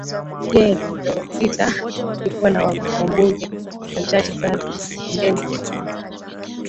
ge liliopita tulikuwa na wambunge wachache sana bugeni wa upinzani